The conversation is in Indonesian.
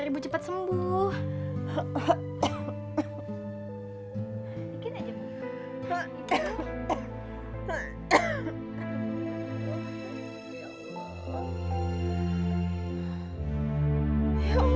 fluoresksinya aku sekalitnya berlalu